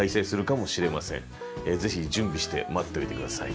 ぜひ準備して待っといて下さい。